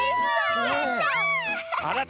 やった！